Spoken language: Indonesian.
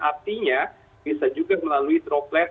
artinya bisa juga melalui droplet